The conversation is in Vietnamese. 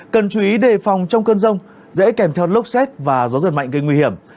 cần chú ý đề phòng trong cơn rông dễ kèm theo lốc xét và gió giật mạnh gây nguy hiểm